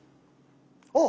あっ！